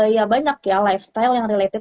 ya banyak ya lifestyle yang related